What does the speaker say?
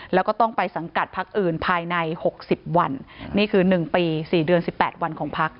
แล้วก็ต้องไปสังกัดพักอื่นภายใน๖๐วันนี่คือ๑ปี๔เดือน๑๘วันของพัก